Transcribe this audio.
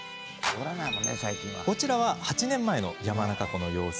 こちらは、８年前の山中湖の様子。